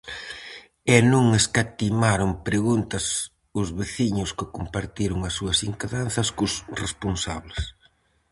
E non escatimaron preguntas os veciños que compartiron as súas inquedanzas cos responsables.